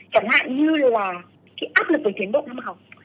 chẳng hạn như là áp lực về tiến bộ năm học